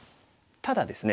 ただですね